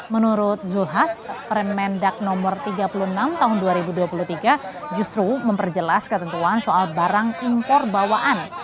menurut zulkifli hasan permen mendag no tiga puluh enam tahun dua ribu dua puluh tiga justru memperjelas ketentuan soal barang impor bawaan